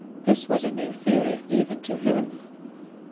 This was a new theory, even to him.